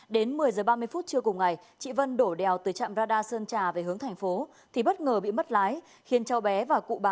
đến một mươi h ba mươi phút trưa cùng ngày chị vân đổ đèo từ trạm radar sơn trà về hướng thành phố thì bất ngờ bị mất lái khiến cháu bé và cụ bà bị hư hỏng nặng